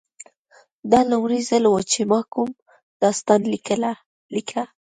دا لومړی ځل و چې ما کوم داستان لیکه